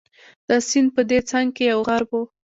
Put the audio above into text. د سیند په دې څنګ کې یو غر وو.